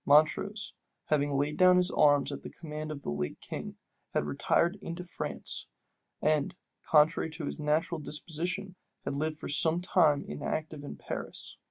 Montrose, having laid down his arms at the command of the late king, had retired into France, and, contrary to his natural disposition, had lived for some time inactive at Paris.